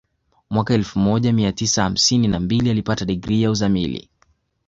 Mwaka elfu moja mia tisa hamsini na mbili alipata digrii ya uzamili